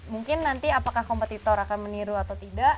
mungkin nanti apakah kompetitor akan meniru atau tidak